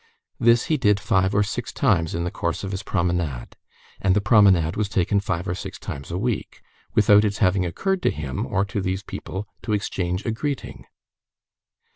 This he did five or six times in the course of his promenade, and the promenade was taken five or six times a week, without its having occurred to him or to these people to exchange a greeting.